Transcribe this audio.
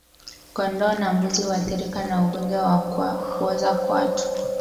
Kondoo na mbuzi huathirika na ugonjwa wa kuoza kwato